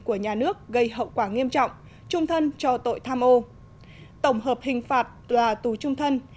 của nhà nước gây hậu quả nghiêm trọng trung thân cho tội tham ô tổng hợp hình phạt là tù trung thân